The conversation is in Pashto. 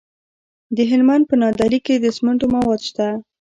د هلمند په نادعلي کې د سمنټو مواد شته.